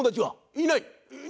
いない？